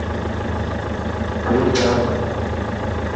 ڌوڙ ڄام هي.